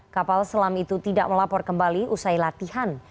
kapal selam itu tidak melapor kembali usai latihan